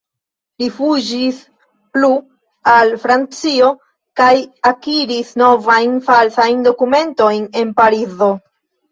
Li fuĝis plu al Francio kaj akiris novajn falsajn dokumentojn en Parizo.